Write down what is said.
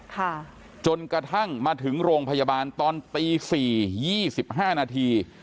ค่ะจนกระทั่งมาถึงโรงพยาบาลตอนตีสี่ยี่สิบห้านาที